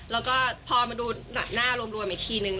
แล้วก็พอมาดูหน้ารวมอีกทีนึง